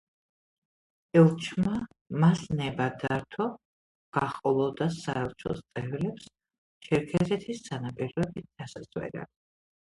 ელჩმა მას ნება დართო გაჰყოლოდა საელჩოს წევრებს ჩერქეზეთის სანაპიროების დასაზვერად.